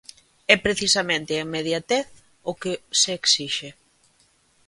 É precisamente a inmediatez o que se exixe.